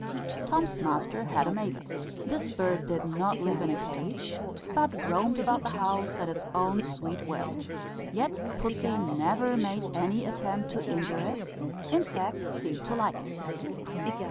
Tom's master had a mavis. This bird did not live in a cage, but roamed about the house at its own sweet will; yet pussy never made any attempt to injure it; in fact, seemed to like it.